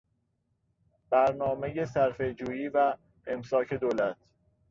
برنامهی صرفهجویی و امساک دولت